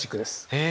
へえ！